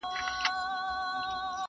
شکر وباسمه خدای ته په سجده سم.